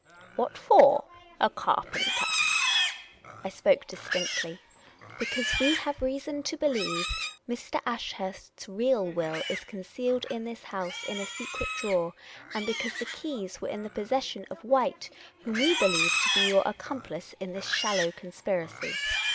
" What for ? A carpentah ?" The Unprofessional Detective 329 I spoke distinctl3\ " Because we have reason to believe Mr. Ashurst's real will is concealed in this house in a secret drawer, and because the keys were in the possession of White, whom we believe to be your accomplice in this shal low conspiracy."